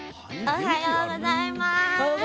おはようございます。